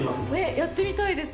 やってみたいです。